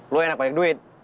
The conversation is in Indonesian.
lu yang enak banyak duit